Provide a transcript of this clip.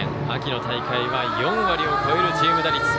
秋の大会は４割を超えるチーム打率。